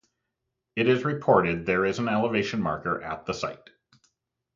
It is reported there is an elevation marker at the site.